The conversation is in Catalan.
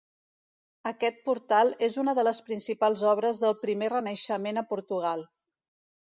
Aquest portal és una de les principals obres del primer renaixement a Portugal.